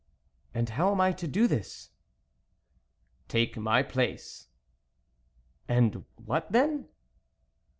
" And how am I to do this ?"" Take my place." " And what then